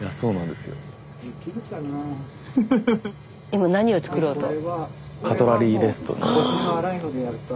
今何を作ろうと？